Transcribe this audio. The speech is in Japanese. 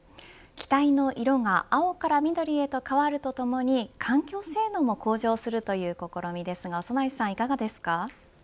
機体の色が青から緑へと変わるとともに環境性能も向上するという試みですが長内さん、いかがですか。